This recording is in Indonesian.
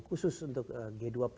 khusus untuk g dua puluh